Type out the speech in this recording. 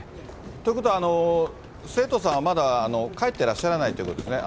ということは、生徒さんはまだ帰ってらっしゃらないということですね？